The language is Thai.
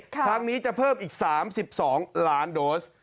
ครั้งนี้จะเพิ่มอีก๓๒ล้านโดส